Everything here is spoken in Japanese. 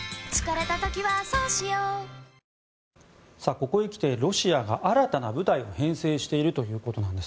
ここへ来てロシアが新たな部隊を編成しているということなんです。